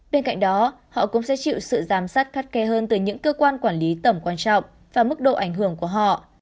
bên cạnh đó họ cũng sẽ chịu sự giám sát khắt khe hơn từ những cơ quan quản lý tầm quan trọng và mức độ ảnh hưởng của họ